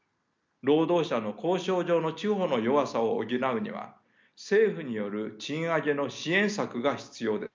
労働者の交渉上の地歩の弱さを補うには政府による賃上げの支援策が必要です。